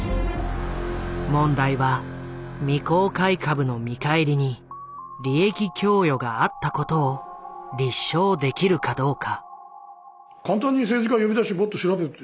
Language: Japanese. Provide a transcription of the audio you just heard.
問題は未公開株の見返りに利益供与があったことを立証できるかどうか。